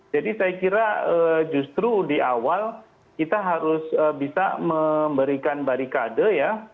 jadi saya kira justru di awal kita harus bisa memberikan barikade ya